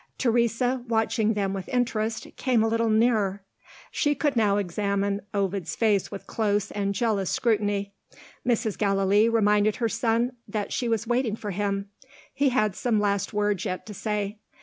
Teresa, watching them with interest, came a little nearer. She could now examine Ovid's face with close and jealous scrutiny. Mrs. Gallilee reminded her son that she was waiting for him. He had some last words yet to say.